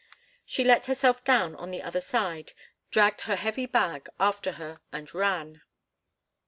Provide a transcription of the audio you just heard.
She let herself down on the other side, dragged her heavy bag after her, and ran.